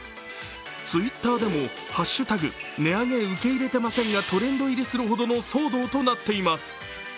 ツイッターでも「＃値上げ受け入れていません」がトレンド入りするほどの騒動となっています。